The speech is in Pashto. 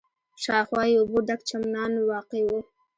شاوخوا یې اوبو ډک چمنان واقع و.